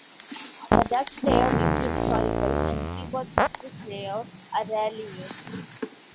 The Dutch layout is historical, and keyboards with this layout are rarely used.